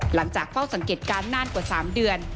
หลังจากเฝ้าสังเกตการณ์นานกว่า๓เดือน